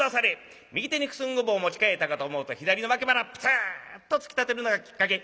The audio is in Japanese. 右手に九寸五分を持ち替えたかと思うと左の脇腹ブスッと突き立てるのがきっかけ。